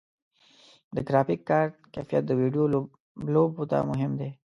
د ګرافیک کارت کیفیت د ویډیو لوبو ته مهم دی.